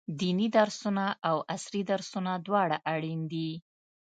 ديني درسونه او عصري درسونه دواړه اړين دي.